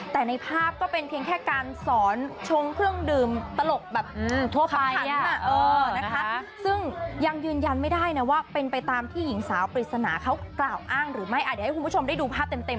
แต่ในภาพก็เป็นเผียงแค่การสอนชมเครื่องดื่มตลกแบบ